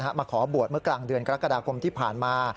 มาขอบวชเมื่อกลางเดือนกรกฎาคมที่ผ่านมา